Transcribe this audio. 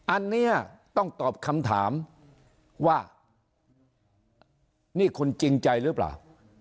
อันนี้ต้องตอบคำถามว่านี่คุณจริงใจหรือเปล่า